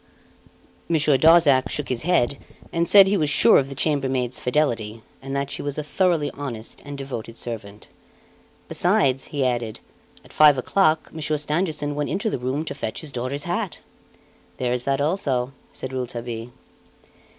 Monsieur Darzac shook his head and said he was sure of the chambermaid's fidelity, and that she was a thoroughly honest and devoted servant. "Besides," he added, "at five o'clock Monsieur Stangerson went into the room to fetch his daughter's hat." "There is that also," said Rouletabille.